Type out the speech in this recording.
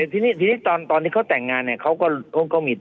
เออแต่ทีนี้ตอนที่เขาแต่งงานเนี่ย